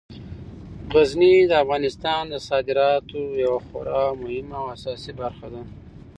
غزني د افغانستان د صادراتو یوه خورا مهمه او اساسي برخه ده.